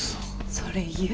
それ言う？